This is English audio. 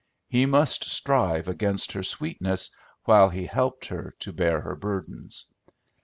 He must strive against her sweetness, while he helped her to bear her burdens.